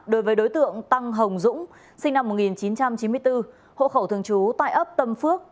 đối với đối tượng tăng hồng dũng sinh năm một nghìn chín trăm chín mươi bốn hộ khẩu thường trú tại ấp tâm phước